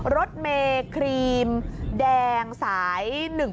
รถเมครีมแดงสาย๑๒